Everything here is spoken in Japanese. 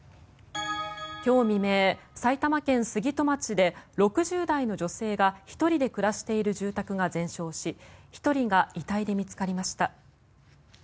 今日未明、埼玉県杉戸町で６０代の女性が１人で暮らしている住宅が全焼し１人が遺体で見つかりました。